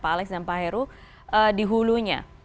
pak alex dan pak heru di hulunya